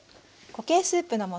固形スープの素。